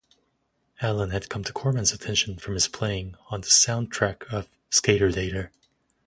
Allan had come to Corman's attention from his playing on the soundtrack of "Skaterdater".